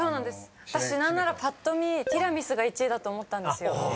私何ならぱっと見「ティラミス」が１位だと思ったんですよ。